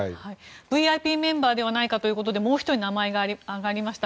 ＶＩＰメンバーではないかともう１人、名前が挙がりました